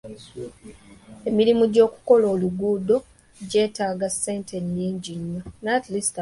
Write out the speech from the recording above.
Emirimu gy'okukola oluguudo gyetaaga ssente nnyingi nnyo.